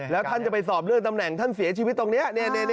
แล้วท่านจะไปสอบเรื่องตำแหน่งท่านเสียชีวิตตรงนี้